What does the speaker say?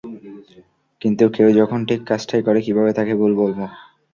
কিন্তু কেউ যখন ঠিক কাজটাই করে, কীভাবে তাকে ভুল বলবো?